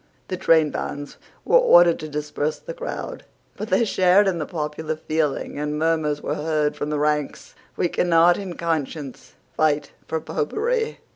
The trainbands were ordered to disperse the crowd: but they shared in the popular feeling; and murmurs were heard from the ranks, "We cannot in conscience fight for Popery."